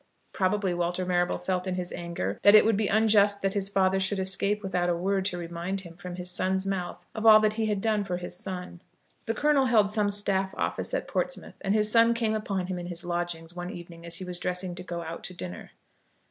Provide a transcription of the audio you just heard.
Probably Walter Marrable felt in his anger that it would be unjust that his father should escape without a word to remind him from his son's mouth of all that he had done for his son. The Colonel held some staff office at Portsmouth, and his son came upon him in his lodgings one evening as he was dressing to go out to dinner.